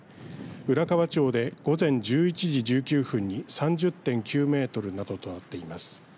浦河町で午前１１時１９分に３０．９メートルなどとなっています。